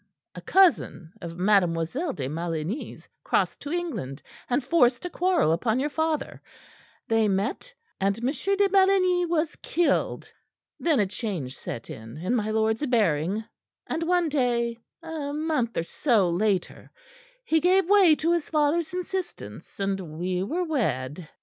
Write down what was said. A cousin of Mademoiselle de Maligny's crossed to England, and forced a quarrel upon your father. They met, and M. de Maligny was killed. Then a change set in in my lord's bearing, and one day, a month or so later, he gave way to his father's insistence, and we were wed.